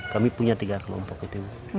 kami punya tiga kelompok itu